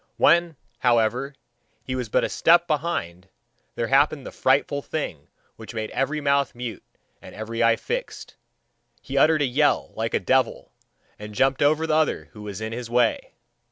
When, however, he was but a step behind, there happened the frightful thing which made every mouth mute and every eye fixed he uttered a yell like a devil, and jumped over the other who was in his way.